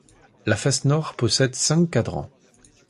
La face nord possède cinq cadrans.